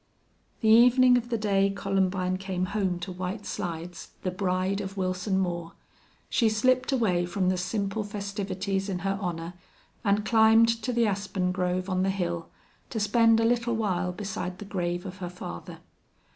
The evening of the day Columbine came home to White Slides the bride of Wilson Moore she slipped away from the simple festivities in her honor and climbed to the aspen grove on the hill to spend a little while beside the grave of her father.